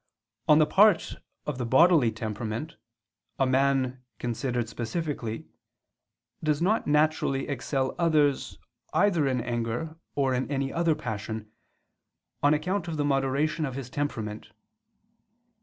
On the part of the bodily temperament, a man, considered specifically, does not naturally excel others either in anger or in any other passion, on account of the moderation of his temperament.